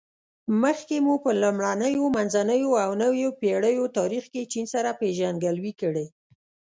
مخکې مو په لومړنیو، منځنیو او نویو پېړیو تاریخ کې چین سره پېژندګلوي کړې.